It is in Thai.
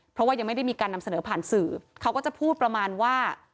เพราะว่ายังไม่ได้มีการนำเสนอผ่านสื่อเขาก็จะพูดประมาณว่า